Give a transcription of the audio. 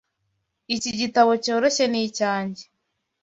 Iki gitabo cyoroshye ni icyanjye.